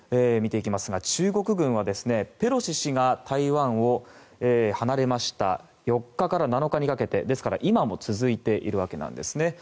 中国軍はペロシ氏が台湾を離れました４日から７日にかけてですから、今も続いているわけなんですね。